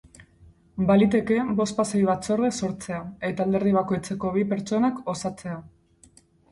Baliteke bospasei batzorde sortzea, eta alderdi bakoitzeko bi pertsonak osatzea.